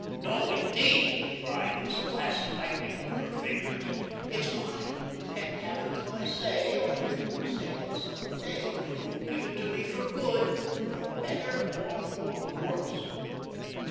"No, indeed," he cried, his clasp tightening over her fingers. "It's mine. You can't have it till I say or till you say that some day you'll give it to me for good for better or for worse."